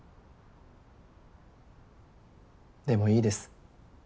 でもいいです。